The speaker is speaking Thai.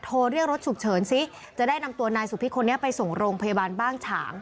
โทรเรียกรถฉุกเฉินซิจะได้นำตัวนายสุพิษคนนี้ไปส่งโรงพยาบาลบ้านฉาง